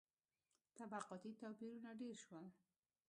• طبقاتي توپیرونه ډېر شول.